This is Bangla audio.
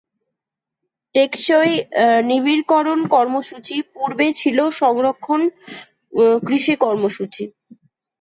টেকসই নিবিড়করণ কর্মসূচি পূর্বে ছিল সংরক্ষণ কৃষি কর্মসূচি।